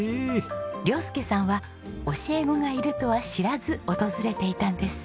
亮佑さんは教え子がいるとは知らず訪れていたんです。